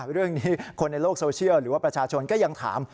เรื่องนี้คนในโลกโซเชียลหรือว่าประชาชนก็ยังถาม